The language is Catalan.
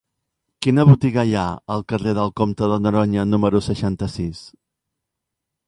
Quina botiga hi ha al carrer del Comte de Noroña número seixanta-sis?